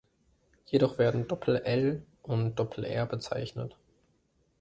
Jedoch werden Doppel-l und Doppel-r bezeichnet.